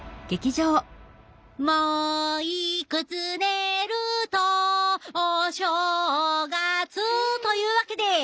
「もういくつねるとお正月」というわけで！